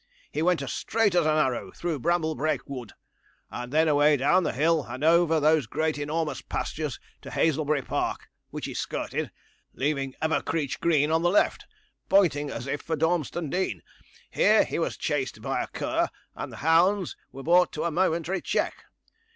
He went as straight as an arrow through Bramblebrake Wood, and then away down the hill over those great enormous pastures to Haselbury Park, which he skirted, leaving Evercreech Green on the left, pointing as if for Dormston Dean. Here he was chased by a cur, and the hounds were brought to a momentary check.